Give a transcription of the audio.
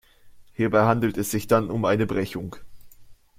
Hierbei handelt es sich dann um eine Brechung.